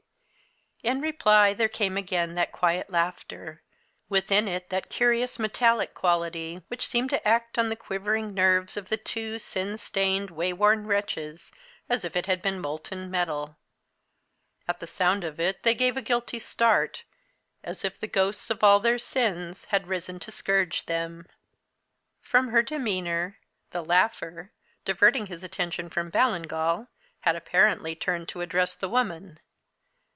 In reply, there came again that quiet laughter, with in it that curious metallic quality, which seemed to act on the quivering nerves of the two sin stained, wayworn wretches as if it had been molten metal. At the sound of it they gave a guilty start, as if the ghosts of all their sins had risen to scourge them. From her demeanour, the laugher, diverting his attention from Ballingall, had apparently turned to address the woman.